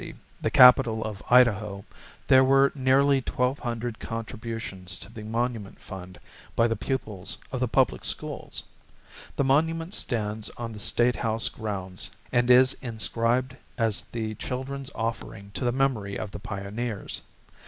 ] At Boise, the capital of Idaho, there were nearly twelve hundred contributions to the monument fund by the pupils of the public schools. The monument stands on the State House grounds and is inscribed as the children's offering to the memory of the pioneers.